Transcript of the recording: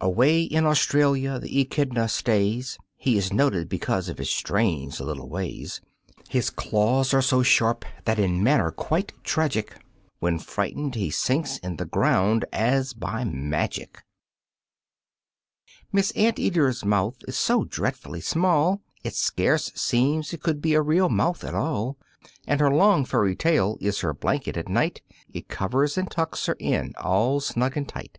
Away in Australia the Echidna stays. He is noted because of his strange little ways; His claws are so sharp that in manner quite tragic, When frightened he sinks in the ground as by magic. Miss Ant Eater's mouth is so dreadfully small It scarce seems it could be a real mouth at all, And her long, furry tail is her blanket at night, It covers and tucks her in all snug and tight.